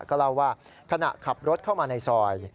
ก็เล่าว่าขณะขับรถเข้ามาในซอย